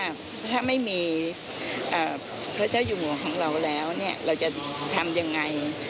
ถ้าไม่มีพระเจ้าอยู่หัวของเราแล้วเราจะทำยังไง